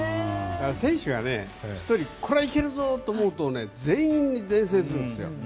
選手が１人これは行けるぞと思うと全員に伝染するんですよ。